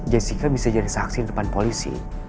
jessica bisa jadi saksi di depan polisi